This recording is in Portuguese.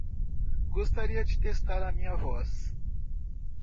Gostaria de testar a minha voz